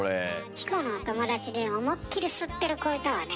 チコのお友達で思いっきり吸ってる子いたわね。